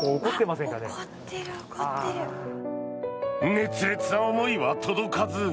熱烈な思いは届かず。